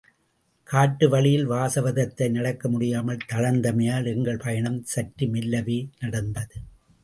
காட்டு வழியில் வாசவதத்தை நடக்க முடியாமல் தளர்ந்தமையால் எங்கள் பயணம் சற்று மெல்லவே நடந்தது.